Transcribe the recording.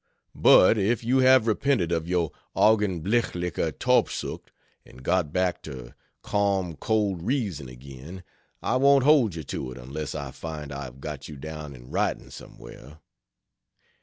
But if you have repented of your augenblichlicher Tobsucht and got back to calm cold reason again, I won't hold you to it unless I find I have got you down in writing somewhere.